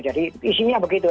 jadi isinya begitu